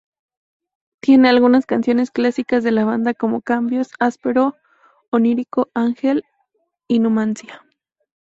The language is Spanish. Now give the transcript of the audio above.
Tiene algunas canciones clásicas de la banda como ""Cambios"", ""Áspero"", ""Onírico"", ""Ángel"" y ""Numancia"".